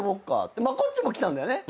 まこっちも来たんだよね。